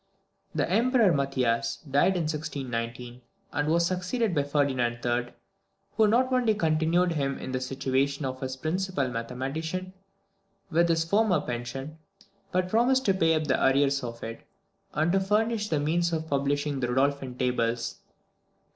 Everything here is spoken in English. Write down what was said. The Emperor Mathias died in 1619, and was succeeded by Ferdinand III., who not only continued him in the situation of his principal mathematician, with his former pension, but promised to pay up the arrears of it, and to furnish the means for publishing the Rudolphine Tables.